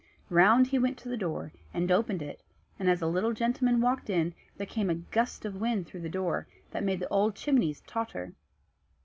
Round he went to the door, and opened it; and as the little gentleman walked in, there came a gust of wind through the house, that made the old chimneys totter.